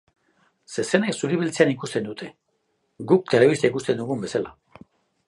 Zezenek zuri-beltzean ikusten dute, guk telebista ikusten dugun bezala!